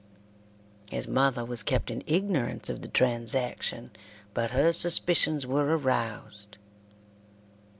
His mother was kept in ignorance of the transaction, but her suspicions were aroused.